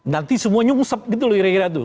nanti semua nyungsep gitu loh kira kira tuh